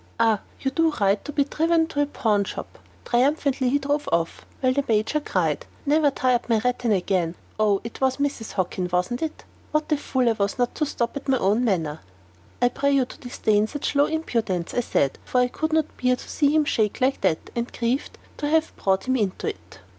Ah, you do right to be driven to a pawn shop." Triumphantly he drove off, while the Major cried, "Never tie up my rattan again. Oh, it was Mrs. Hockin, was it? What a fool I was not to stop on my own manor!" "I pray you to disdain such low impudence," I said, for I could not bear to see him shake like that, and grieved to have brought him into it.